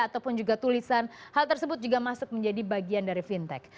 ataupun juga tulisan hal tersebut juga masuk menjadi bagian dari fintech